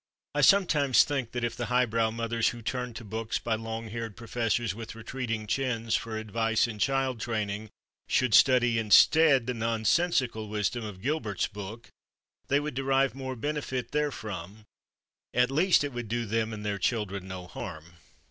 I sometimes think that if the "highbrow" mothers who turn to books by long haired professors with retreating chins for advice in child training, should study instead the nonsensical wisdom of Gilbert's book, they would derive more benefit therefrom. At least it would do them (and their children) no harm.